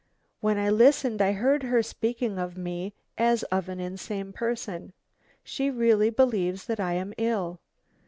When I listened I heard her speaking of me as of an insane person. She really believes that I am ill.